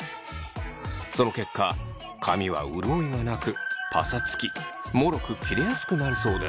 その結果髪は潤いがなくパサつきもろく切れやすくなるそうです。